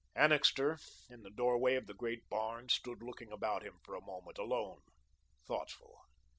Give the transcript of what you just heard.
Annixter, in the doorway of the great barn, stood looking about him for a moment, alone, thoughtful.